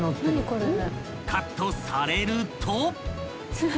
［カットされると］